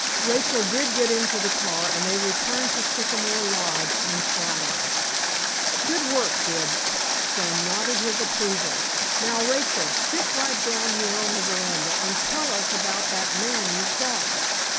Rachel did get into the car, and they returned to Sycamore Lodge in triumph. "Good work, Fibs," Stone nodded his approval. "Now, Rachel, sit right down here on the veranda, and tell us about that man you saw."